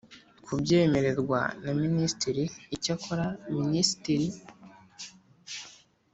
kubyemererwa na Minisitiri Icyakora Minisitiri